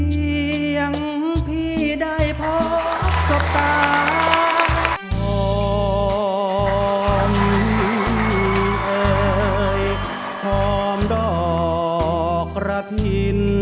ที่ยังพี่ได้พบสุขา